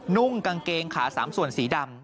นุ่งกางเกงขา๓ส่วนสีดำ